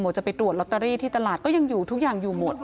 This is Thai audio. จะไปตรวจลอตเตอรี่ที่ตลาดก็ยังอยู่ทุกอย่างอยู่หมด